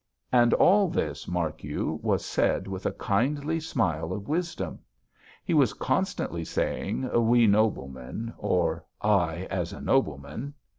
"And all this, mark you, was said with a kindly smile of wisdom. He was constantly saying: 'We noblemen,' or 'I, as a nobleman.'